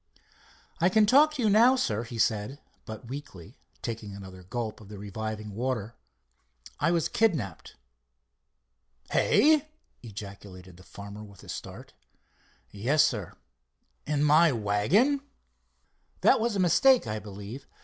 "I can talk to you now, sir," he said, but weakly, taking another gulp of the reviving water. "I was kidnapped." "Hey!" ejaculated the farmer, with a start. "Yes, sir." "In my wagon?" "That was a mistake, I believe.